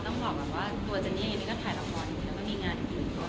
ต้องบอกว่าตัวเจนนี่ก็ถ่ายละครแล้วก็มีงานอื่นก่อน